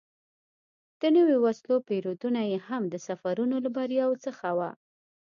د نویو وسلو پېرودنه یې هم د سفرونو له بریاوو څخه وه.